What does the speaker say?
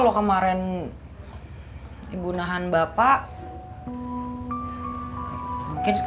loh tapi nanti